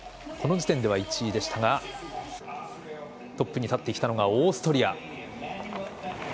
この時点では１位でしたがトップに立ってきたのがオーストリア。